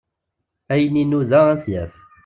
Ayen inuda ad t-yaf.